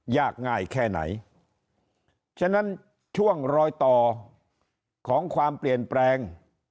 ยากง่ายแค่ไหนฉะนั้นช่วงรอยต่อของความเปลี่ยนแปลง